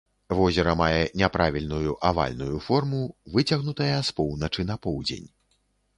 Возера мае няправільную, авальную форму, выцягнутая з поўначы на поўдзень.